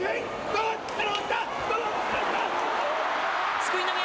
すくい投げ。